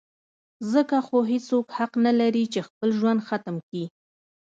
ځکه خو هېڅوک حق نه لري چې خپل ژوند ختم کي.